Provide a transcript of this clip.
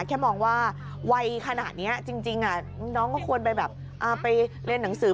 แค่มองว่าวัยขนาดนี้จริงน้องก็ควรไปแบบไปเรียนหนังสือ